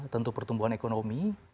tentu pertumbuhan ekonomi